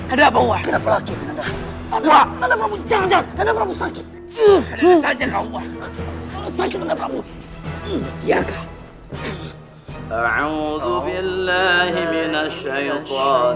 aku bersyukur druada khosyut